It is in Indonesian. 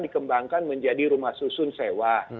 dikembangkan menjadi rumah susun sewa